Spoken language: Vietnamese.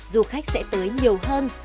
du khách sẽ tới nhiều hơn